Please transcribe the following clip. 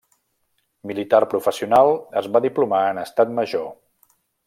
Militar professional, es va diplomar en Estat Major.